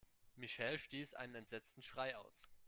Michelle stieß einen entsetzten Schrei aus.